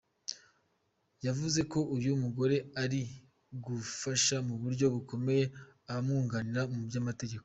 Yavuze ko uyu mugore ari gufasha mu buryo bukomeye abamwunganira mu by’amategeko.